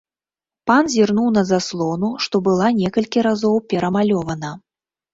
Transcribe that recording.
Пан зірнуў на заслону, што была некалькі разоў перамалёвана.